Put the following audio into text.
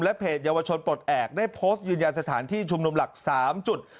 เพจเยาวชนปลดแอบได้โพสต์ยืนยันสถานที่ชุมนุมหลัก๓จุด